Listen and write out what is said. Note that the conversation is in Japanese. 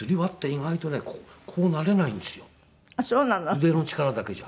腕の力だけじゃ。